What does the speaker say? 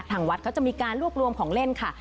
ทางวัดเขาจะมีการรวบรวมของเล่นค่ะ